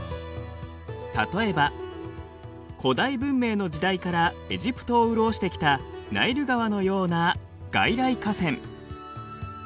例えば古代文明の時代からエジプトを潤してきたナイル川のような外来河川。